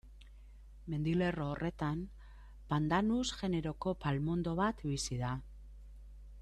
Mendilerro horretan, Pandanus generoko palmondo bat bizi da.